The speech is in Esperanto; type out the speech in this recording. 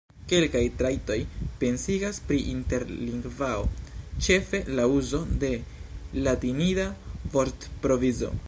Kelkaj trajtoj pensigas pri interlingvao, ĉefe la uzo de latinida vortprovizo.